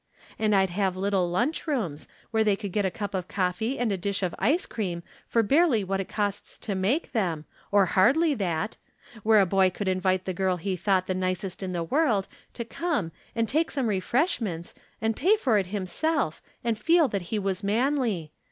And I'd have little lunch rooms, where they could get a cup of coffee and a dish of ice cream for barely what it costs to make them, or hardly that ; where a boy could invite the girl he thought the nicest in the world to come and take some refreshments, and pay for it himself, and feel that he was manly.